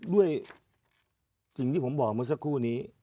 ด้วยสิ่งที่ผมบอกเมื่อสักครู่นี้